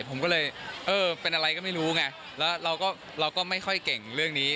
ผมก็เลยเออเป็นอะไรก็ไม่รู้ไงแล้วเราก็ไม่ค่อยเก่งเรื่องนี้